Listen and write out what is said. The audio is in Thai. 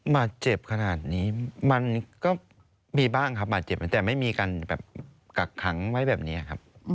บาดเจ็บขนาดนี้มันก็มีบ้างครับบาดเจ็บแต่ไม่มีการแบบกักขังไว้แบบนี้ครับ